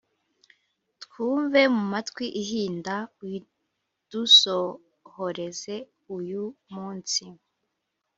Twumve mu matwi ihinda uyidusohhoreze uyu munsi